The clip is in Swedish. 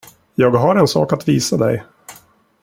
Jag har en sak att visa dig.